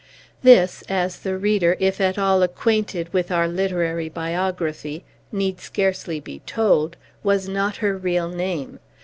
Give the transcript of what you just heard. This (as the reader, if at all acquainted with our literary biography, need scarcely be told) was not her real name.